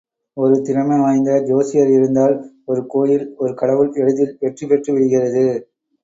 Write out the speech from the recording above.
ஒரு திறமை வாய்ந்த ஜோசியர் இருந்தால் ஒரு கோயில் ஒரு கடவுள் எளிதில் வெற்றி பெற்று விடுகிறது.